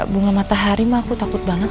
bunga matahari mah aku takut banget